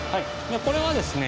これはですね